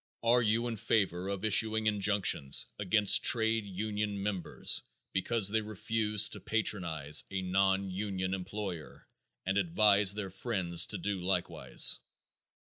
Are you in favor of issuing injunctions against trade union members because they refuse to patronize a non union employer and advise their friends to do likewise?